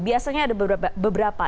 biasanya ada beberapa